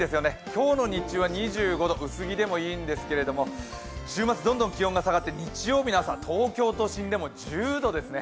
今日の日中は２５度薄着でもいいんですけれども週末どんどん気温が下がって日曜日の朝、東京都心でも１０度ですね。